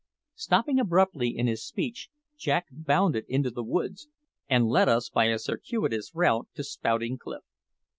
Stopping abruptly in his speech, Jack bounded into the woods, and led us by a circuitous route to Spouting Cliff.